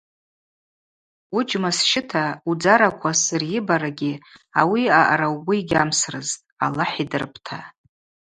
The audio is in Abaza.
Уыджьма сщыта удзараква сырйыбаргьи ауи аъара угвы йгьамсрызтӏ, Аллахӏ йдырпӏта.